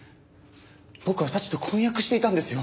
僕は早智と婚約していたんですよ。